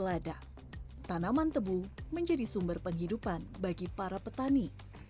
lada tanaman tebu menjadi sumber penghidupan bagi para petani